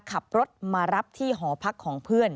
ขับรถมารับที่หอพักของเพื่อน